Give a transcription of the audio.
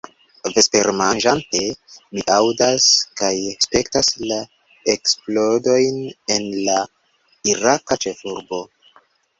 Vespermanĝante, mi aŭdas kaj spektas la eksplodojn en la iraka ĉefurbo.